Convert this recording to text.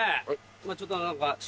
今ちょっと何か。